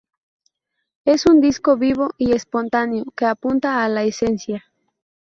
Es un disco vivo y espontáneo que apunta a la esencia.